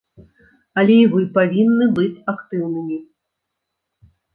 Але і вы павінны быць актыўнымі.